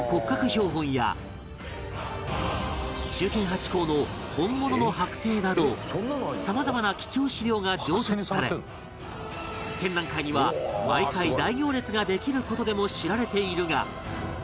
標本や忠犬ハチ公の本物の剥製などさまざまな貴重資料が常設され展覧会には毎回大行列ができる事でも知られているが